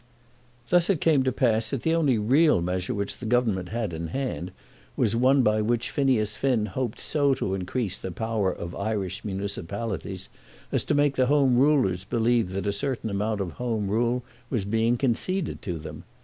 Thus it came to pass that the only real measure which the Government had in hand was one by which Phineas Finn hoped so to increase the power of Irish municipalities as to make the Home Rulers believe that a certain amount of Home Rule was being conceded to them.